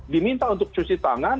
diminta untuk cuci tangan